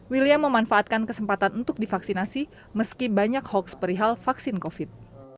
william memanfaatkan kesempatan untuk divaksinasi meski banyak hoaks perihal vaksin covid sembilan belas